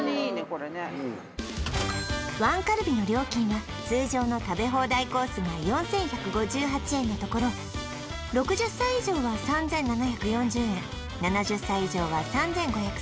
これねワンカルビの料金は通常の食べ放題コースが４１５８円のところ６０歳以上は３７４０円７０歳以上は３５３１円